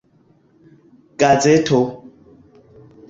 gazeto